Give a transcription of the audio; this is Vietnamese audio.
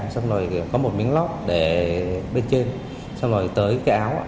xong rồi có một miếng lót để bên trên xong rồi tới cái áo